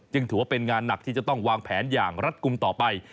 ถือว่าเป็นงานหนักที่จะต้องวางแผนอย่างรัฐกลุ่มต่อไป